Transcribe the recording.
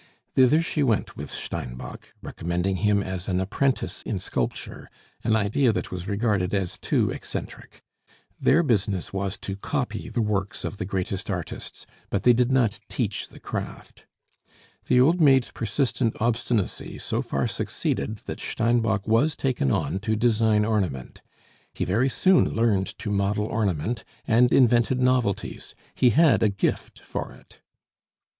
Thither she went with Steinbock, recommending him as an apprentice in sculpture, an idea that was regarded as too eccentric. Their business was to copy the works of the greatest artists, but they did not teach the craft. The old maid's persistent obstinacy so far succeeded that Steinbock was taken on to design ornament. He very soon learned to model ornament, and invented novelties; he had a gift for it.